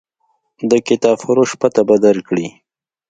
د کتابفروش پته به درکړي.